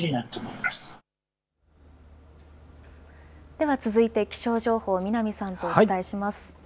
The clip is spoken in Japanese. では、続いて気象情報、南さんとお伝えします。